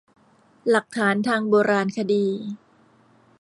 หลักฐานทางโบราณคดี